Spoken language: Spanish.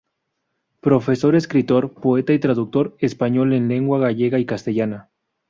Profesor, escritor, poeta y traductor español en lengua gallega y castellana.